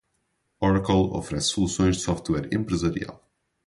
Oracle oferece soluções de software empresarial.